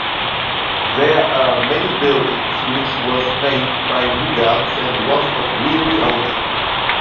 There are many buildings which was made by Mughals and was of greenery only.